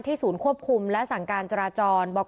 ศูนย์ควบคุมและสั่งการจราจร